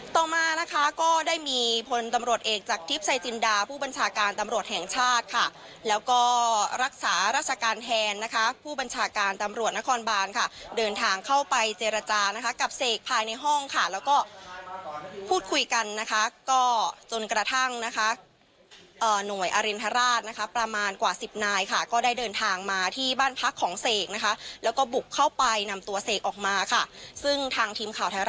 ต่อมานะคะก็ได้มีพลตำรวจเอกจากทิพย์ชายจินดาผู้บัญชาการตำรวจแห่งชาติค่ะแล้วก็รักษาราชการแทนนะคะผู้บัญชาการตำรวจนครบานค่ะเดินทางเข้าไปเจรจานะคะกับเสกภายในห้องค่ะแล้วก็พูดคุยกันนะคะก็จนกระทั่งนะคะหน่วยอรินทราชนะคะประมาณกว่าสิบนายค่ะก็ได้เดินทางมาที่บ้านพักของเสกนะคะแล้วก็บุกเข้าไปนำตัวเสกออกมาค่ะซึ่งทางทีมข่าวไทยรัฐ